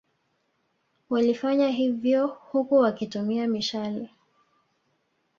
Wlifanya hivyo huku wakitumia mishale